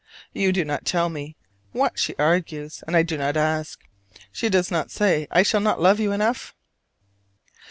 You do not tell me what she argues, and I do not ask. She does not say I shall not love you enough!